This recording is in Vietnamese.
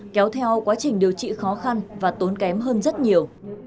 kéo theo quá trình điều trị khó khăn và tốn kém hơn rất nhiều